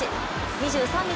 ２３日